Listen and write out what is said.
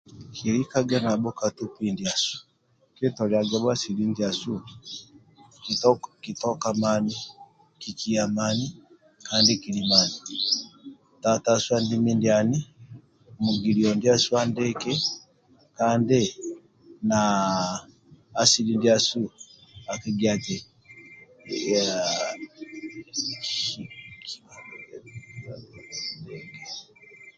Kilikage nabho ka tukpi ndiasu kitoliage bho asili ndiasu kito kitoka mani kikiya mani kandi kili mani tatasu andi mindia ani mugilio ndiasu andiki kandi naaaa asili ndiasu akigiaga ya